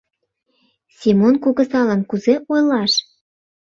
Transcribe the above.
Семон кугызалан кузе ойлаш?